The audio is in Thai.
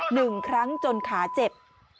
หนึ่งครั้งจนขาเจ็บ